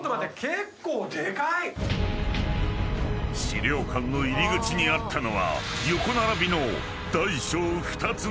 ［資料館の入り口にあったのは横並びの］